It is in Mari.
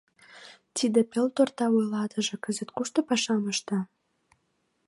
— Тиде пелторта вуйлатыше кызыт кушто пашам ышта?